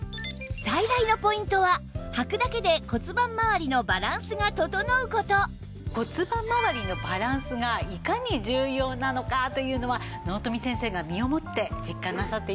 最大のポイントは骨盤まわりのバランスがいかに重要なのかというのは納富先生が身をもって実感なさっているんですよね。